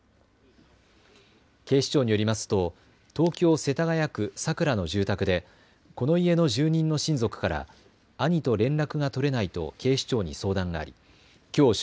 警視庁によりますと東京世田谷区桜の住宅でこの家の住人の親族から兄と連絡が取れないと警視庁に相談がありきょう正